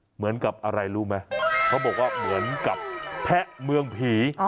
เหมือนกับอะไรรู้ไหมเขาบอกว่าเหมือนกับแพะเมืองผี